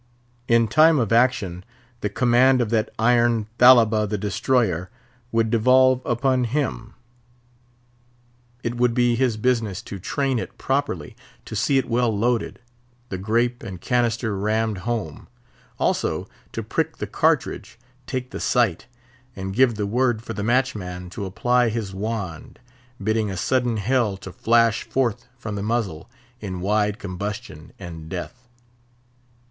In time of action, the command of that iron Thalaba the Destroyer would devolve upon him. It would be his business to "train" it properly; to see it well loaded; the grape and cannister rammed home; also, to "prick the cartridge," "take the sight," and give the word for the match man to apply his wand; bidding a sudden hell to flash forth from the muzzle, in wide combustion and death.